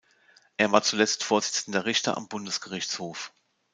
Er war zuletzt Vorsitzender Richter am Bundesgerichtshof.